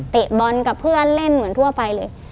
บอลกับเพื่อนเล่นเหมือนทั่วไปเลย